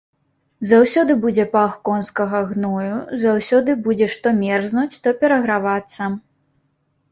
Заўсёды будзе пах конскага гною, заўсёды будзеш то мерзнуць, то перагравацца.